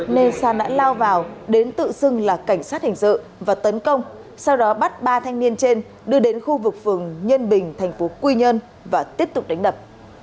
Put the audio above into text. nên san đã lao vào đến tự xưng là cảnh sát hình sự và tấn công sau đó bắt ba thanh niên trên đưa đến khu vực phường nhân bình tp quy nhơn và tiếp tục đánh đập